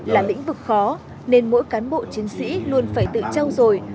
là lĩnh vực khó nên mỗi cán bộ chiến sĩ luôn phải tự trao dồi